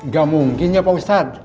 gak mungkin ya pak ustadz